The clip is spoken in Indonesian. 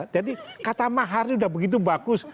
jadi kata mas ars udah begitu bagus